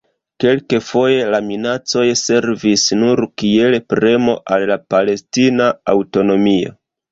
Kelkfoje la minacoj servis nur kiel premo al la palestina aŭtonomio.